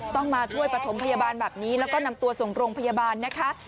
ต้องมาช่วยประถมพยาบาลแบบนี้แล้วก็นำตัวส่งโรงพยาบาลนะคะ